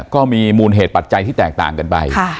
ก็มีมูลเหตุปัจจัยที่แตกต่างกันไป